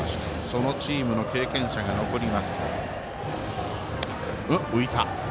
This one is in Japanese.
そのチームの経験者が残ります。